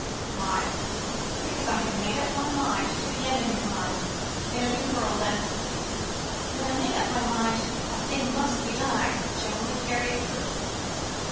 "Why? Because I have made up my mind to begin a new life, in a new world, and when I make up my mind a thing must be done, I generally carry it through."